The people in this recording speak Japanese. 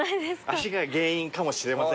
「足が原因かもしれません！」